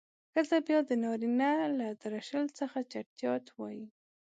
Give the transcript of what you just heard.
ښځه بيا د نارينه له درشل څخه چټيات وايي.